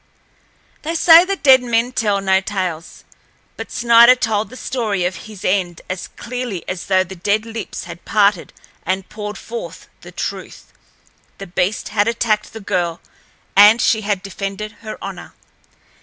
They say that dead men tell no tales, but Snider told the story of his end as clearly as though the dead lips had parted and poured forth the truth. The beast had attacked the girl, and she had defended her honor.